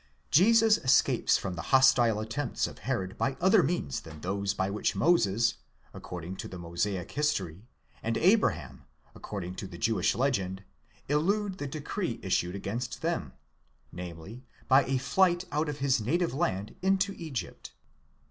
Jesus escapes from the hostile attempts of Herod by other means than those by which Moses, according to the mosaic history, and Abraham, according to the Jewish legend, elude the decree issued against them ; namely, by a flight out of his native land into Egypt.